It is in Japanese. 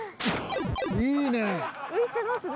いいね。